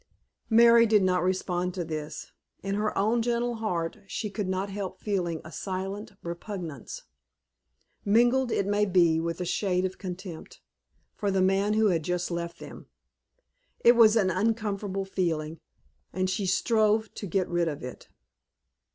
Mary did not respond to this. In her own gentle heart she could not help feeling a silent repugnance, mingled, it may be, with a shade of contempt, for the man who had just left them. It was an uncomfortable feeling, and she strove to get rid of it.